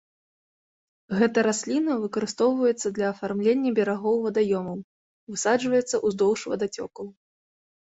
Гэта расліна выкарыстоўваецца для афармлення берагоў вадаёмаў, высаджваецца ўздоўж вадацёкаў.